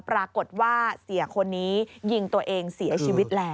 ปรากฏว่าเสียคนนี้ยิงตัวเองเสียชีวิตแล้ว